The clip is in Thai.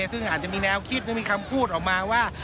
ซึ่งอาจจะมีแนวคิดหรือมีคำพูดออกมาว่า